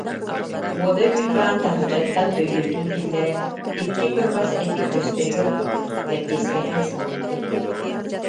Уодай Уйбаан таһырдьаттан өйүөтүн киллэрэн: икки кырбас эти күөстэригэр укпут, лэппиэскэтин сылыппыт